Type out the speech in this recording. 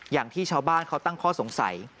อย่างที่ชาวบ้านเขาตั้งข้อสงสัย